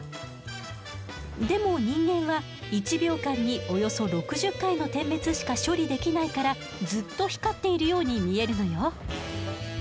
でも人間は１秒間におよそ６０回の点滅しか処理できないからずっと光っているように見えるのよ。